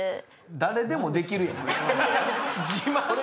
誰でもできるやんこれ。